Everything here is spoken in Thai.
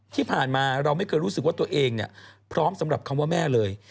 ที่ผ่านมาเราไม่เคยรู้สึกว่าตัวเองพร้อมสำหรับคำว่าแม่เลย